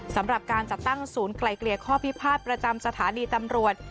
สำหรับการจัดตั้งศูนย์ไกลเกลี่ยข้อพิพาทประจำสถานีตำรวจ